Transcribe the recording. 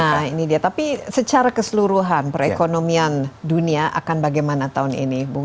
nah ini dia tapi secara keseluruhan perekonomian dunia akan bagaimana tahun ini bung